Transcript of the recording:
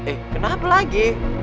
eh kenapa lagi